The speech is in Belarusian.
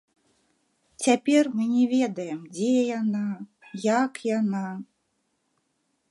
Цяпер мы не ведаем, дзе яна, як яна.